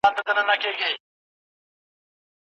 چي هغه ته مځکه اور تاته جنت دی